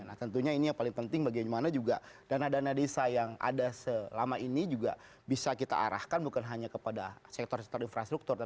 nah tentunya ini yang paling penting bagaimana juga dana dana desa yang ada selama ini juga bisa kita arahkan bukan hanya kepada sektor sektor infrastruktur